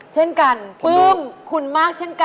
จริงจ้ะ